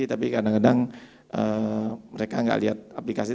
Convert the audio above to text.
tapi kadang kadang mereka enggak lihat aplikasi